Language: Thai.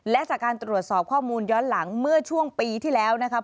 และจากการตรวจสอบข้อมูลย้อนหลังเมื่อช่วงปีที่แล้วนะครับ